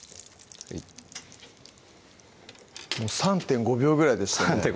もう３．５秒ぐらいでしたね